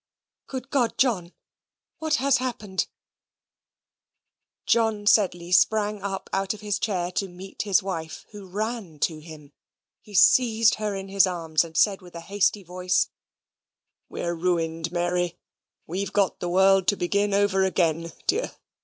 Good God, John, what has happened?" John Sedley sprang up out of his chair to meet his wife, who ran to him. He seized her in his arms, and said with a hasty voice, "We're ruined, Mary. We've got the world to begin over again, dear.